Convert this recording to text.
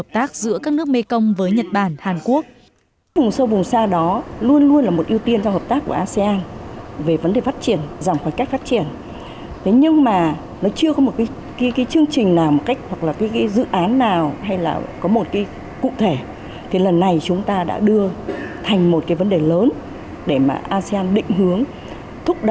tăng cường hợp tác giữa các nước mekong với nhật bản hàn quốc